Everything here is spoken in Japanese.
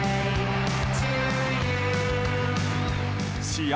試合